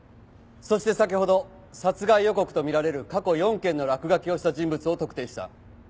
そして先ほど殺害予告とみられる過去４件の落書きをした人物を特定した。